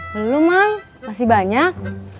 belum mang masih banyak